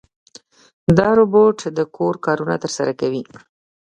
دا روبوټ د کور کارونه ترسره کوي.